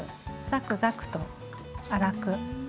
ザクザクと粗く。